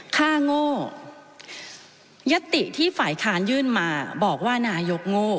โง่ยติที่ฝ่ายค้านยื่นมาบอกว่านายกโง่